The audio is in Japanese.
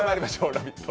「ラヴィット！」